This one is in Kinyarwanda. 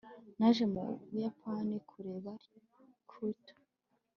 naje mu buyapani kureba kyoto